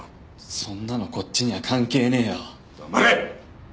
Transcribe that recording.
そんなのこっちには関係ねぇよ黙れ！